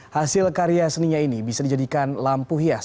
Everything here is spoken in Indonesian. hasil karya seninya ini bisa dijadikan lampu hias